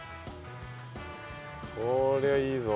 こりゃあいいぞ。